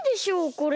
これ。